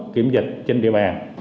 kiểm dịch trên địa bàn